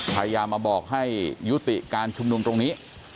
พยายามมาบอกให้ยุติการชุมนุมตรงนี้